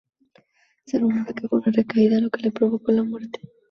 Se rumora que fue una recaída lo que le provocó la muerte.